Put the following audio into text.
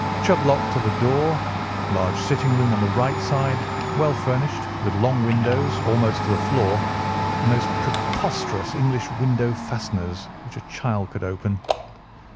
Chubb lock to the door. Large sitting room on the right side, well furnished, with long windows almost to the floor, and those preposterous English window fasteners which a child could open.